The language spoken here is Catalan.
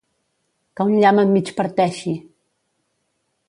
Que un llamp et migparteixi!